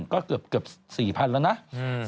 ก็เกือบ๔พันล้านบาท